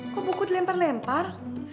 kok buku dilempar lempar